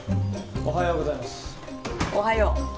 おはよう。